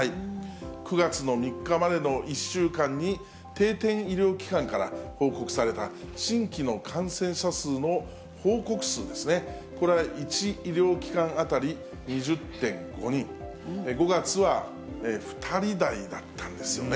９月の３日までの１週間に、定点医療機関から報告された新規の感染者数の報告数ですね、これ１医療機関当たり２０．５人、５月は２人台だったんですよね。